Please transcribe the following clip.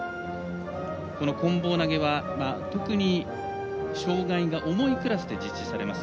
こん棒投げは特に障がいが重いクラスで実施されます。